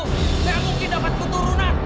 nggak mungkin dapat keturunan